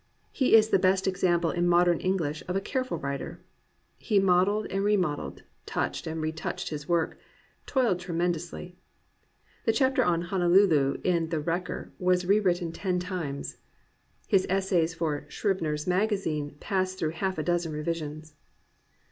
He is the best example in modern English of a careful writer. He modelled and re modelled, touched and retouched his work, toiled tremendously. The chapter on Honolulu in The Wrecker, was rewritten ten times. His essays for Scribner^s Magazine passed through half a dozen revisions.